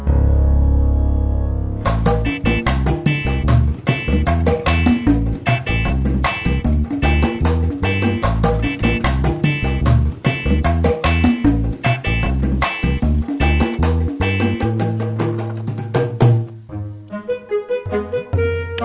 sampai jumpa di video selanjutnya